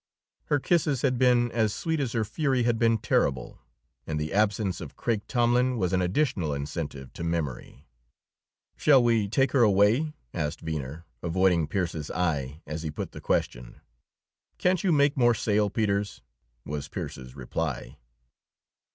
Her kisses had been as sweet as her fury had been terrible; and the absence of Craik Tomlin was an additional incentive to memory. "Shall we take her away?" asked Venner, avoiding Pearse's eye as he put the question. "Can't you make more sail, Peters?" was Pearse's reply.